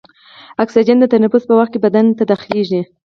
اکسیجن د تنفس په وخت کې بدن ته داخلیږي.